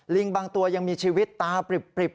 บางตัวยังมีชีวิตตาปริบ